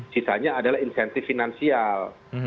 sisanya adalah insensif finansial